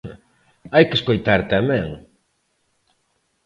Hai que escoitar tamén.